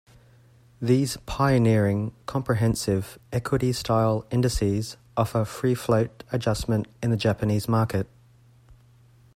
These pioneering, comprehensive, equity style indices offer free-float adjustment in the Japanese market.